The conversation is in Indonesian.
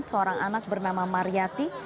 seorang anak bernama mariyati